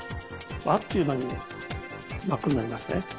あっという間に真っ黒になりますね。